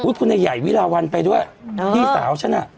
อุ๊ยคุณใหญ่วิราวัลไปด้วยพี่สาวฉัน